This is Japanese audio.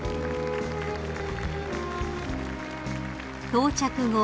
［到着後